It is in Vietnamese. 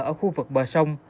ở khu vực bờ sông